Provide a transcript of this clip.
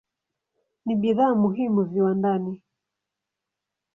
Ni bidhaa muhimu viwandani.